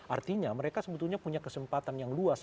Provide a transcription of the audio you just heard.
artinya mereka sebetulnya punya kesempatan yang luas